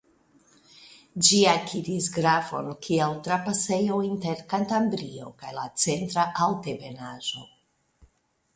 Ĝi akiris gravon kiel trapasejo inter Kantabrio kaj la Centra Altebenaĵo.